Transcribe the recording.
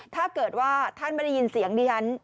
ถ้าเกิดว่าท่านไม่ได้ยินเสียงดิฉัน